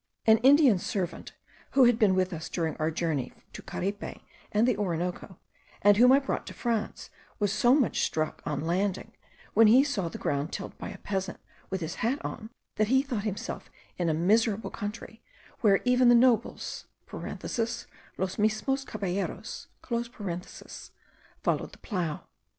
An Indian servant, who had been with us during our journey to Caripe and the Orinoco, and whom I brought to France, was so much struck, on landing, when he saw the ground tilled by a peasant with his hat on, that he thought himself in a miserable country, where even the nobles (los mismos caballeros) followed the plough.